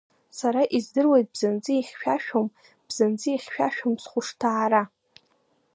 Сара издыруеит, бзанҵы ихьшәашәом, бзанҵы ихьшәашәом схәышҭаара.